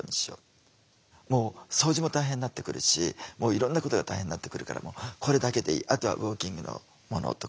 掃除も大変になってくるしいろんなことが大変になってくるからこれだけでいいあとはウォーキングのものとか。